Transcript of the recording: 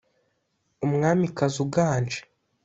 umwamikazi uganje,